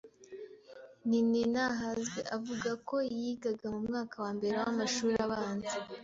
Nininahazwe avuga ko yigaga mu mwaka wa mbere w'amashuri abanza